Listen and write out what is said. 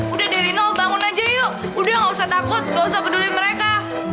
udah deh rino bangun aja yuk udah nggak usah takut nggak usah peduli mereka